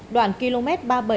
đoạn km ba mươi bảy năm mươi năm